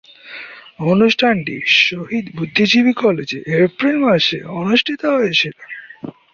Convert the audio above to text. অনুষ্ঠানটি শহীদ বুদ্ধিজীবী কলেজে এপ্রিল মাসে অনুষ্ঠিত হয়েছিলো।